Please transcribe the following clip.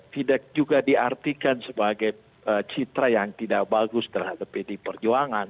tidak juga diartikan sebagai citra yang tidak bagus terhadap pd perjuangan